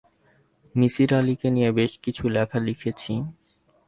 নিসার আলিকে নিয়ে বেশ কিছু লেখা লিখেছি।